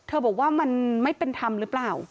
บอกว่ามันไม่เป็นธรรมหรือเปล่า